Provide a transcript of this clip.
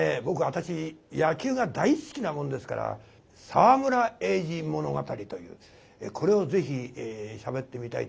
私野球が大好きなもんですから「沢村栄治物語」というこれをぜひしゃべってみたいと思うんですけども。